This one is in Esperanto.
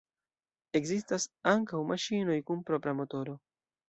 Ekzistas ankaŭ maŝinoj kun propra motoro.